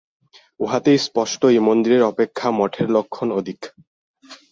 উহাতে স্পষ্টই মন্দিরের অপেক্ষা মঠের লক্ষণ অধিক।